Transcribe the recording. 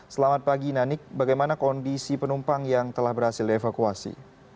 selamat pagi nanik bagaimana kondisi penumpang yang telah berhasil dievakuasi